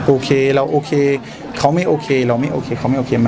โอเคเราโอเคเขาไม่โอเคเราไม่โอเคเขาไม่โอเคไม่